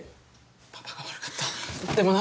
パパが悪かったでもな。